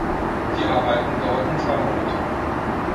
Die Arbeiten dauerten zwei Monate.